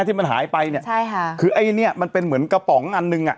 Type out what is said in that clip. ที่มันหายไปอันนี้มันเป็นเหมือนกระป๋องอันหนึ่ง